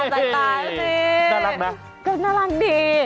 แปลย์ตายแปลย์ตายเลยสิ